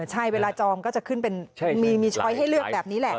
ใช่เวลาจองก็จะขึ้นเป็นมีช้อยให้เลือกแบบนี้แหละ